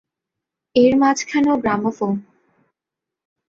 এর মাঝখানেও গ্রামোফোন।